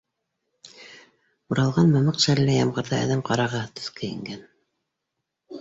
Уралған мамыҡ шәле лә ямғырҙа әҙәм ҡарағыһыҙ төҫкә ингән